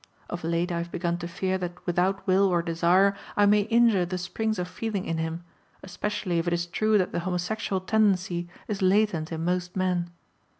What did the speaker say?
Of late I have begun to fear that without will or desire I may injure the springs of feeling in him, especially if it is true that the homosexual tendency is latent in most men.